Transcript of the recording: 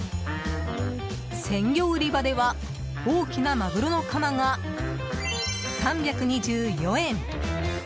鮮魚売り場では大きなマグロのカマが３２４円。